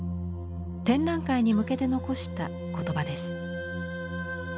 展覧会に向けて残した言葉です。